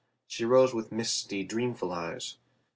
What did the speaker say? She rose with misty, dreamful eyes.